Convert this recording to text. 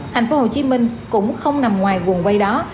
tp hcm cũng không nằm ngoài quần quay đó